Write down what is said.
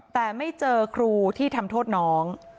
แต่ไม่เจอครูที่ทำโทษน้อง